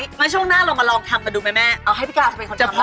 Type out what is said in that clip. งั้นช่วงหน้าเรามาลองทำกันดูไหมแม่เอาให้พี่กาวจะเป็นคนทำพ่อ